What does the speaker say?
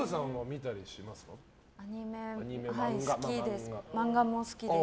アニメ好きです。